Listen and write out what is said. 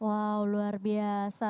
wow luar biasa